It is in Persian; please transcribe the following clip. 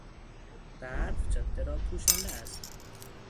برف جاده را پوشانده است.